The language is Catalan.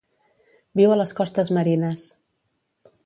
Viu a les costes marines.